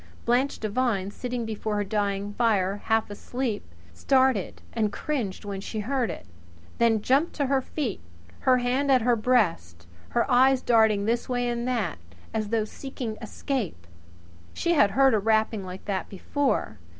Blanche Devine, sitting before her dying fire half asleep, started and cringed when she heard it; then jumped to her feet, her hand at her breast her eyes darting this way and that, as though seeking escape. She had heard a rapping like that before.